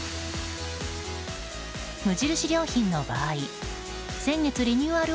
無印良品の場合先月リニューアル